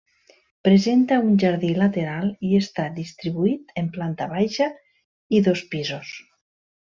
Presenta un jardí lateral i està distribuït en planta baixa i dos pisos.